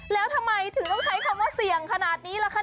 แล้วทำไมถึงต้องใช้คำว่าเสี่ยงขนาดนี้ล่ะคะ